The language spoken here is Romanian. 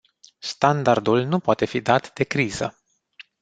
Standardul nu poate fi dat de criză!